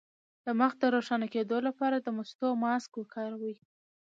د مخ د روښانه کیدو لپاره د مستو ماسک وکاروئ